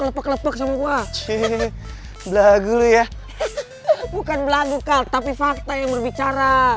kelepak kelepak sama gua cilin lagu ya bukan lagu kata pifak tayang berbicara